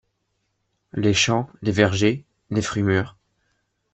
Les champs, les vergers, les fruits mûrs